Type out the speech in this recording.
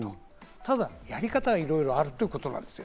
ただ、やり方いろいろあるということなんです。